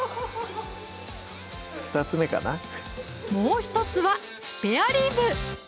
もう１つはスペアリ部！